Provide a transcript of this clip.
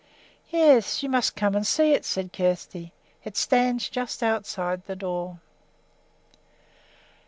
"Yes, you must come and see it," said Kjersti. "It stands just outside the door."